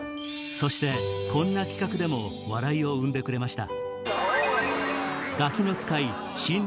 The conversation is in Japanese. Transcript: そしてこんな企画でも笑いを生んでくれました